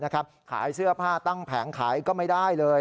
ขายเสื้อผ้าตั้งแผงขายก็ไม่ได้เลย